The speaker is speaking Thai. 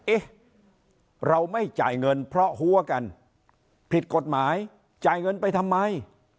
เอ๊ะเราไม่จ่ายเงินเพราะหัวกันผิดกฎหมายจ่ายเงินไปทำไม